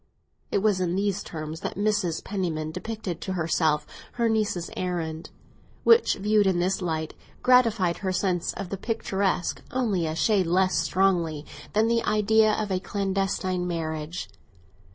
It was in these terms that Mrs. Penniman depicted to herself her niece's errand, which, viewed in this light, gratified her sense of the picturesque only a shade less strongly than the idea of a clandestine marriage.